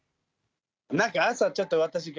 何か朝ちょっと私が。